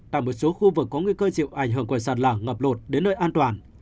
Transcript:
tại một số khu vực có nguy cơ chịu ảnh hưởng quả sạt lỏng ngập lụt đến nơi an toàn